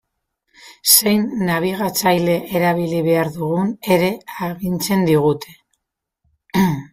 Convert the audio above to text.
Zein nabigatzaile erabili behar dugun ere agintzen digute.